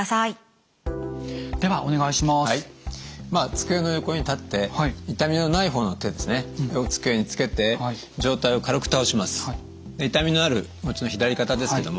机の横に立って痛みのない方の手を机につけて上体を軽く倒します。